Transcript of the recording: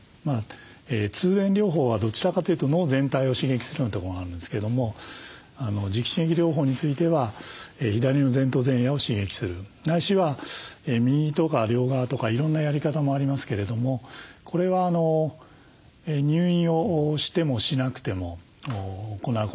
通電療法はどちらかというと脳全体を刺激するようなとこがあるんですけども磁気刺激療法については左の前頭前野を刺激するないしは右とか両側とかいろんなやり方もありますけれどもこれは入院をしてもしなくても行うことはできる。